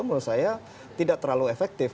menurut saya tidak terlalu efektif